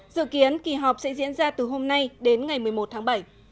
dự kiến kỳ họp sẽ diễn ra từ hôm nay đến ngày một mươi một tháng bảy